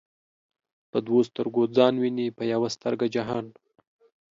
په دوو ستر گو ځان ويني په يوه سترگه جهان